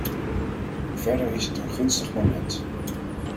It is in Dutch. Verder is het een gunstig moment.